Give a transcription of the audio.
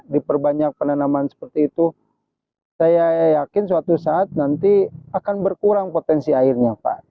diperbanyak penanaman seperti itu saya yakin suatu saat nanti akan berkurang potensi airnya pak